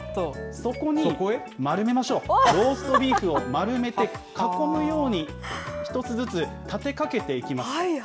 そこに丸めましょう、ローストビーフを丸めて囲むように１つ高い、高い。